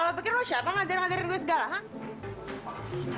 lo pikir lu siapa ngajarin gue segala ha ha